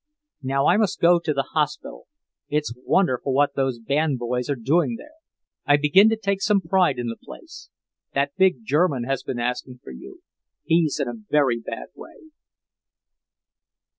Now I must go to the hospital. It's wonderful what those band boys are doing there. I begin to take some pride in the place. That big German has been asking for you. He's in a very bad way."